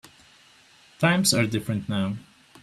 Times are different now.